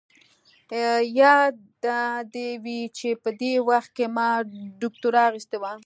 ياده دې وي چې په دې وخت کې ما دوکتورا اخيستې وه.